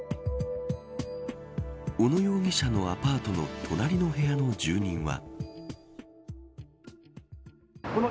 小野容疑者のアパートの隣の部屋の住人は。